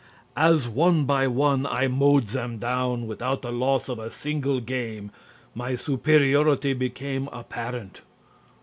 "As one by one I mowed them down without the loss of a single game, my superiority became apparent."